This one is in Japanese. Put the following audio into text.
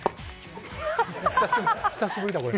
久しぶりだこれ。